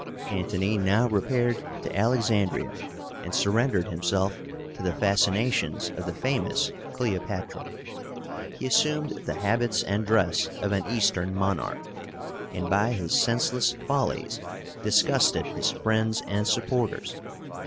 Antony now repaired to Alexandría, and surrendered himself to the fascinations of the famous Cleopátra. He assumed the habits and dress of an Eastern monarch, and by his senseless follies disgusted his friends and supporters.